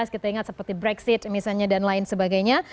kita ingat seperti brexit misalnya dan lain sebagainya